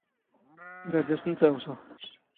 ⵔⴰⴷ ⴰⵙⵏⵜ ⴰⵡⵙⵖ.